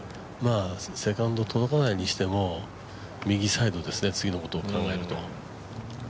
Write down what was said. セカンド届かないにしても、右サイドですね、次のことを考えると。